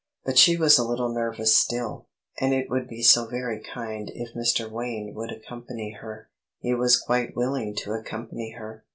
But she was a little nervous still, and it would be so very kind if Mr. Wayne would accompany her. He was quite willing to accompany her.